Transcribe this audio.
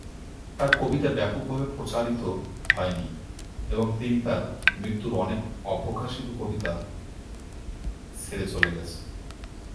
তার কবিতা ব্যাপকভাবে প্রচারিত হয়নি এবং তিনি তার মৃত্যুর অনেক অপ্রকাশিত কবিতা ছেড়ে চলে গেছে।